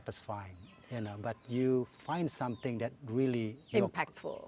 tapi anda menemukan sesuatu yang sangat berpengaruh